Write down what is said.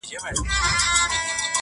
ځيني يې لوړ هنر بولي تل,